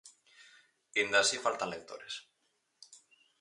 Aínda así, faltan lectores.